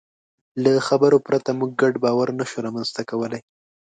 له خبرو پرته موږ ګډ باور نهشو رامنځ ته کولی.